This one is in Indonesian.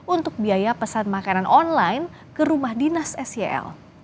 untuk biaya pesan makanan online ke rumah dinas sel